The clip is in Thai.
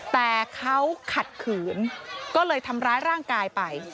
แต่เขาขัดขืนก็เลยทำร้ายร่างกายไป